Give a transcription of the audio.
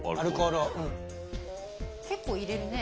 結構入れるね。